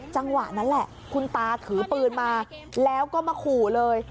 จังหวะนั้นแหละคุณตาถือปืนมาแล้วก็มาขู่เลย